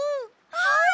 はい！